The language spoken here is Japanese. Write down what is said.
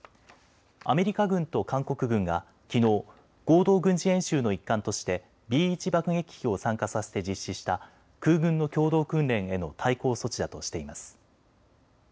アメリカ軍と韓国軍がきのう、合同軍事演習の一環としてＢ１爆撃機を参加させて実施した空軍の共同訓練への対抗措置だとしています。